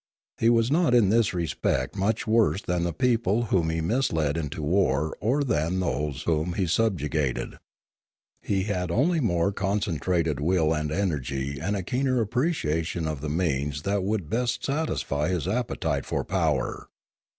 He was not in this respect much worse than the people whom he misled into war or than those whom he subjugated. He had only more concentrated will and energy and a keener appreciation of the means that would best satisfy his appetite for power.